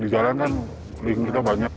di jalan kan link kita banyak